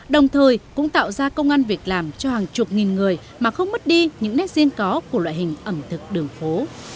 đồng thời cũng tạo ra công an việc làm cho hàng chục nghìn người mà không mất đi những nét riêng có của loại hình ẩm thực đường phố